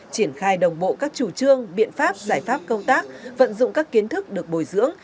triển khai đồng bộ các chủ trương biện pháp giải pháp công tác vận dụng các kiến thức được bồi dưỡng